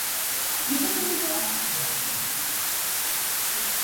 Trabajó como modelo y bailarina antes de entrar en la industria pornográfica.